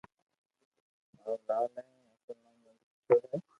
مارو لال ھي ھين اصل نوم نند ڪيݾور ھي